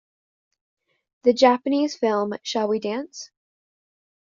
The Japanese film "Shall We Dance?